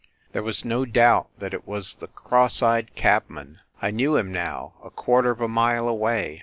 ... There was no doubt that it was the cross eyed cab man. I knew him now, a quarter of a mile away.